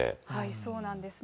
そうなんですね。